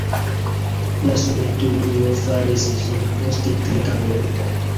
La Sovetunio faris ĝin post tri tagoj.